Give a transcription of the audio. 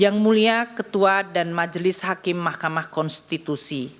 yang mulia ketua dan majelis hakim mahkamah konstitusi